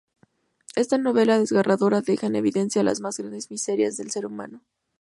Esta novela, desgarradora, deja en evidencia las más grandes miserias del ser humano.